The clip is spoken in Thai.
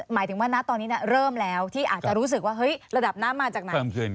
หมายถึงว่านะตอนนี้เริ่มแล้วที่อาจจะรู้สึกว่าเฮ้ยระดับน้ำมาจากไหน